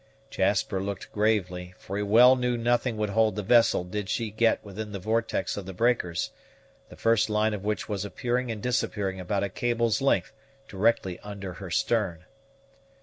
Jasper looked gravely, for he well knew nothing would hold the vessel did she get within the vortex of the breakers, the first line of which was appearing and disappearing about a cable's length directly under their stern.